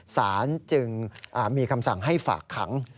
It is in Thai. สารจึงมีคำสั่งให้ฝากขัง